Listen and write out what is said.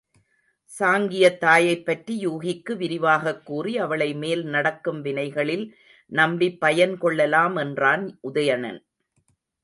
சாங்கியத் தாயைப் பற்றி யூகிக்கு விரிவாகக் கூறி, அவளை மேல்நடக்கும் வினைகளில் நம்பிப் பயன் கொள்ளலாம் என்றான் உதயணன்.